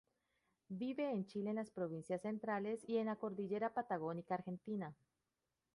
Vive en Chile en las provincias centrales y en la cordillera patagónica Argentina.